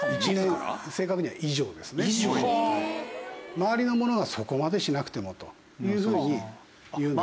周りの者がそこまでしなくてもというふうに言うんですけど。